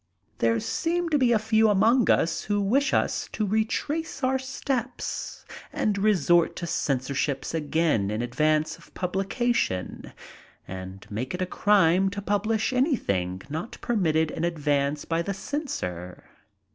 There seem to be a few among us who wish us to retrace our steps, and resort to censorships again in advance of publication, and make it a crime to pub lish an3rthing not permitted in advance by the censor.